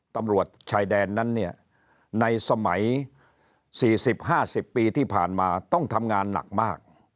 ตำรวจชายแดนนั้นเนี่ยในสมัย๔๐๕๐ปีที่ผ่านมาต้องทำงานหนักมาก